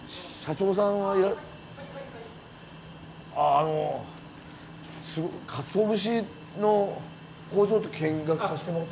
あのカツオ節の工場って見学させてもらっても。